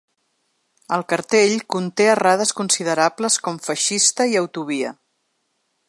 El cartell conté errades considerables com feixiste i autovía.